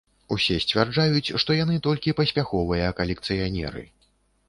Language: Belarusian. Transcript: Усе сцвярджаюць, што яны толькі паспяховыя калекцыянеры.